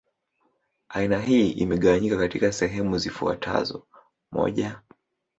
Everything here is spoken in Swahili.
Aina hii imegawanyika katika sehemu zifuatazoMoja